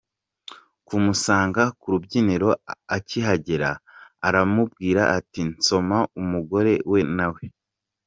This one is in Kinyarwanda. kumusanga ku rubyiniro, akihagera aramubwira ati “nsoma”, umugore we nawe.